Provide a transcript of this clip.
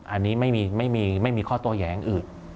อันนี้ไม่มีข้อโตแย้งอื่น